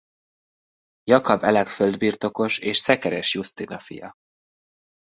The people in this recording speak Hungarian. Jakab Elek földbirtokos és Szekeres Jusztina fia.